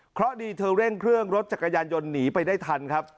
เพราะดีเธอเร่งเครื่องรถจักรยานยนต์หนีไปได้ทันครับ